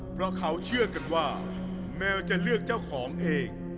เพราะเขาเชื่อกันว่าแมวจะเลือกเจ้าของเอง